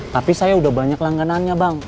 tapi saya udah banyak langganannya bang